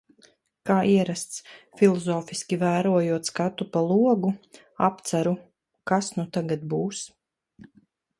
Kā ierasts, filozofiski vērojot skatu pa logu, apceru – kas nu tagad būs?